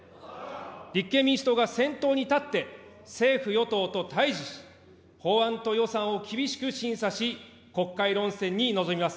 立憲民主党が先頭に立って政府・与党と対じし、法案と予算を厳しく審査し、国会論戦に臨みます。